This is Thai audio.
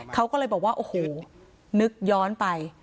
เขาก็เลยบอกว่าโอ้โหนึกย้อนไป